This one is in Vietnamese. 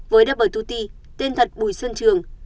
với doublet tên thật bùi sơn trường